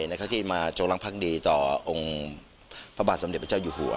เขาจะที่มาโจรังพรรณดีต่อพระบาทสมเด็จพระเจ้าอยู่หัว